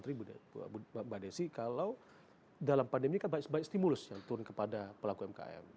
karena jujur pak menteri mbak desi kalau dalam pandemi ini kan banyak stimulus yang turun kepada pelaku umkm